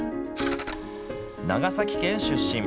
長崎県出身。